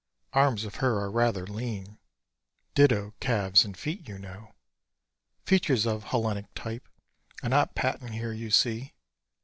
Arms of her are rather lean Ditto, calves and feet, you know. Features of Hellenic type Are not patent here, you see.